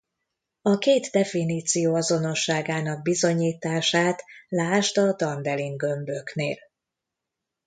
A két definíció azonosságának bizonyítását lásd a Dandelin-gömböknél.